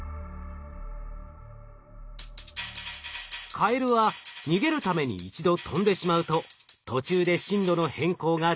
カエルは逃げるために一度飛んでしまうと途中で進路の変更ができません。